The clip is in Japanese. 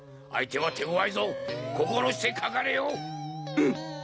相手は手ごわいぞ心してかかれようん！